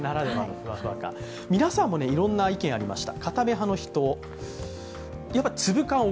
皆さんもいろんな意見がありました。